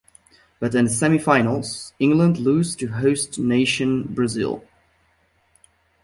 But in the semi-finals, England lose to host nation Brazil.